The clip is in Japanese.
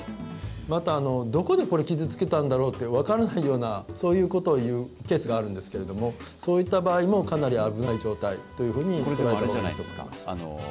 またどこで傷つけたんだろうと分からないようなそういうことを言うケースがあるんですけれどもそういった場合もかなり危ない状態ということになると思います。